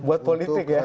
buat politik ya